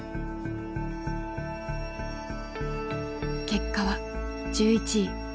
結果は１１位。